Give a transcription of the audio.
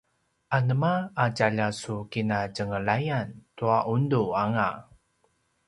anema a tjalja su kinatjenglayan tua undu anga?